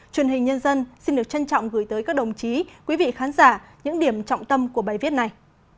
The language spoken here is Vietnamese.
truyền hình nhân dân xin được trân trọng gửi tới các đồng chí quý vị khán giả những điểm trọng tâm của bài viết này